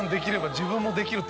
自分もできるって。